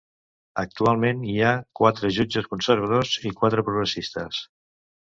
Actualment hi ha quatre jutges conservadors i quatre de progressistes.